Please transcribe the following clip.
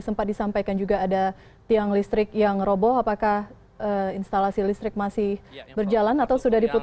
sempat disampaikan juga ada tiang listrik yang roboh apakah instalasi listrik masih berjalan atau sudah diputus